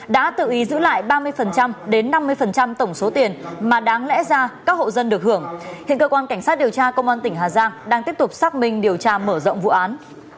đã tự ý giữ lại ba mươi đến năm mươi tổng số tiền mà đáng lẽ ra các hộ dân được hưởng hiện cơ quan cảnh sát điều tra công an tỉnh hà giang đang tiếp tục xác minh điều tra mở rộng vụ án